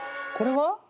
これは？